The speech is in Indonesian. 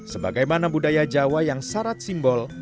sebagai mana budaya jawa yang syarat simbol